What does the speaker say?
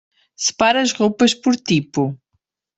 Separe as roupas por tipo.